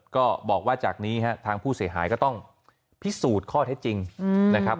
ก็บอกว่าจากนี้ฮะทางผู้เสียหายก็ต้องพิสูจน์ข้อเท็จจริงนะครับ